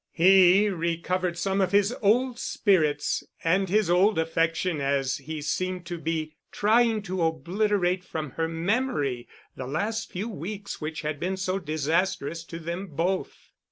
He recovered some of his old spirits and his old affection as he seemed to be trying to obliterate from her memory the last few weeks which had been so disastrous to them both.